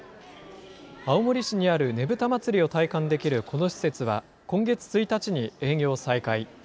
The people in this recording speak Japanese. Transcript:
青森市にあるねぶた祭を体感できるこの施設は、今月１日に営業再開。